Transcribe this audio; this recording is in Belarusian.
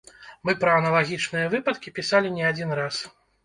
Мы пра аналагічныя выпадкі пісалі не адзін раз.